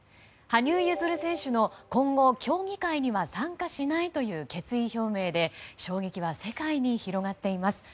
羽生結弦選手の今後、競技会には参加しないという決意表明で衝撃は世界に広がっています。